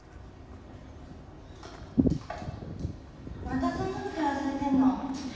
またそんなことやらされてんの？